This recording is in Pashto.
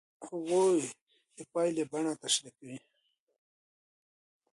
هغوی د پایلې بڼه تشریح کوي.